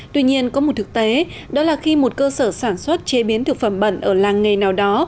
tuy nhiên có một thực tế đó là khi một cơ sở sản xuất chế biến thực phẩm bẩn ở làng nghề nào đó